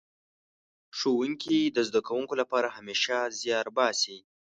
ښوونکي د زده کوونکو لپاره همېشه زيار باسي.